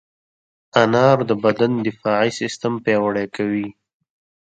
انار د بدن دفاعي سیستم پیاوړی کوي.